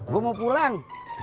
gue mau pulang